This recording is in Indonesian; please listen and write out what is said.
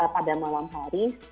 pada malam hari